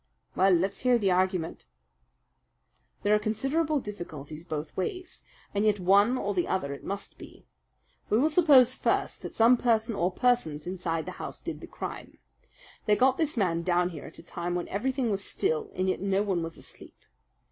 "Well, let's hear the argument." "There are considerable difficulties both ways, and yet one or the other it must be. We will suppose first that some person or persons inside the house did the crime. They got this man down here at a time when everything was still and yet no one was asleep.